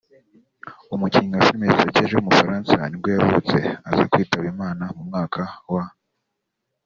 umukinnyi wa film zisekeje w’umufaransa nibwo yavutse aza kwitaba Imana mu mwaka w’